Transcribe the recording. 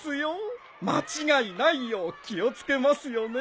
間違いないよう気を付けますよね。